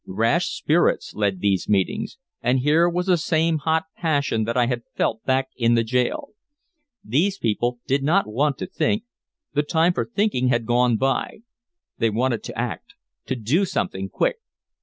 Rash spirits led these meetings, and here was the same hot passion that I had felt back in the jail. These people did not want to think, the time for thinking had gone by. They wanted to act, to do something quick.